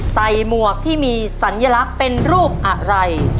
หมวกที่มีสัญลักษณ์เป็นรูปอะไร